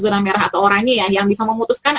zona merah atau oranye ya yang bisa memutuskan